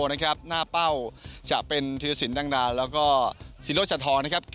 หน้าเป้าจะเป็นธีรศิลป์ดังดาลแล้วก็ศิลป์รถชัดทองนะครับ